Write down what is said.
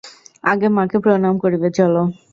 আগে মাকে প্রণাম করিবে চলো।